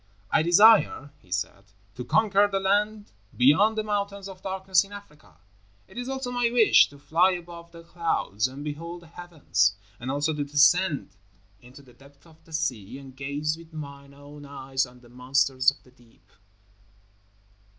"I desire," he said, "to conquer the land beyond the Mountains of Darkness in Africa; it is also my wish to fly above the clouds and behold the heavens, and also to descend into the depths of the sea and gaze with mine own eyes on the monsters of the deep."